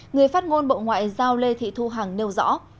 người phát ngôn bộ ngoại giao lê thị thu hằng nêu rõ